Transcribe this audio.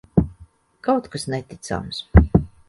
Kaut kas neticams.